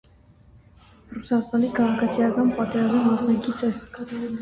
Ռուսաստանի քաղաքացիական պատերազմի մասնակից է։